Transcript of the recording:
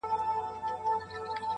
نسه نه وو نېمچه وو ستا د درد په درد.